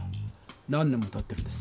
何年もたってるんです。